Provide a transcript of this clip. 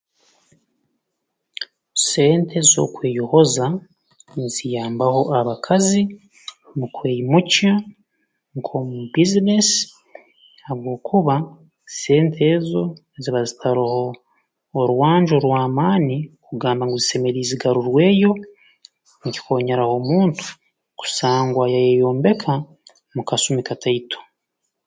Sente zookweyohoza nziyambaho abakazi mu kweyimukya nk'omu bbiizinesi habwokuba sente ezo ziba zitaroho orwanju orw'amaani kugamba ngu zisemeriire zigarurweyo nkikonyeraho omuntu kusangwa yayeyombeka mu kasumi kataito